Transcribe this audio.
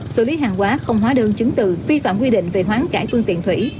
xử lý hàng hóa không hóa đơn chứng từ vi phạm quy định về hoán cãi phương tiện thủy